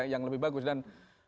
yang lebih bagus dan